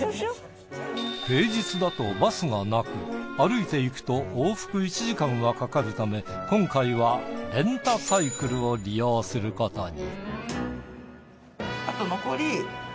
平日だとバスがなく歩いていくと往復１時間はかかるため今回はレンタサイクルを利用することに。